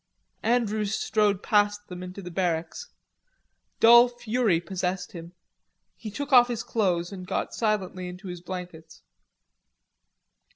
Andrews strode past them into the barracks. Dull fury possessed him. He took off his clothes and got silently into his blankets.